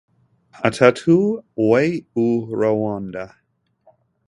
atatu y u Rwanda